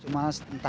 cuma entah kenapa